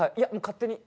勝手に。